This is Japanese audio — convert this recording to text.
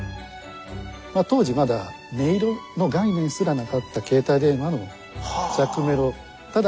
当時まだ音色の概念すらなかった携帯電話の着メロ。